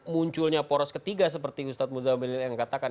munculnya poros ketiga seperti ustaz muzamil yang katakan